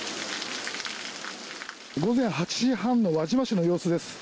午前８時半の輪島市の様子です。